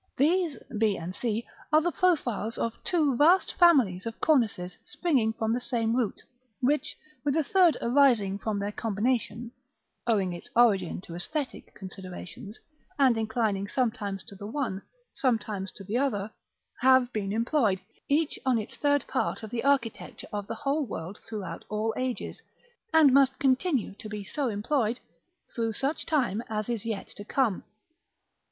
§ V. These (b and c) are the profiles of two vast families of cornices, springing from the same root, which, with a third arising from their combination (owing its origin to æsthetic considerations, and inclining sometimes to the one, sometimes to the other), have been employed, each on its third part of the architecture of the whole world throughout all ages, and must continue to be so employed through such time as is yet to come.